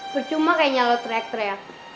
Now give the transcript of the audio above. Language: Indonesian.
percuma kayaknya lo teriak teriak